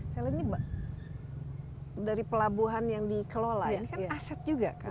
saya lihat ini dari pelabuhan yang dikelola ini kan aset juga kan